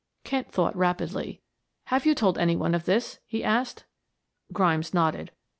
Kent thought rapidly. "Have you told any one of this?" he asked. Grimes nodded.